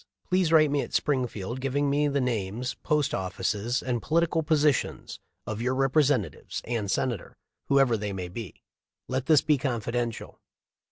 Please write me at Springfield giving me the names, post offices, and political positions of your Repre sentative and Senator, whoever they may be. Let this be confidential."